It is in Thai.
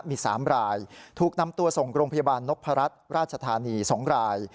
มี๓รายถูกนำตัวส่งโรงพยาบาลนพรัชราชธานี๒ราย